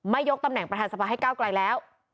ยกตำแหน่งประธานสภาให้ก้าวไกลแล้ว